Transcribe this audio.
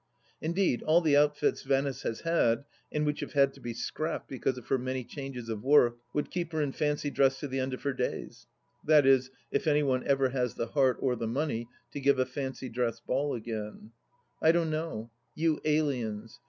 Indeed, all the outfits Venice has had, and which have had to be scrapped because of her many changes of work, would keep her in fancy dress to the end of her days ; that is, if any one ever has the heart or the money to give a fancy dress ball again 1 I don't know. You aliens